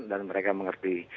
dan mereka mengerti